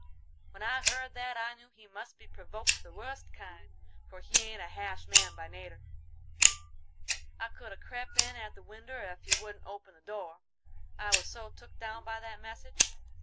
"When I heard that, I knew he must be provoked the wust kind, for he ain't a hash man by nater. I could have crep' in at the winder ef he wouldn't open the door, I was so took down by that message.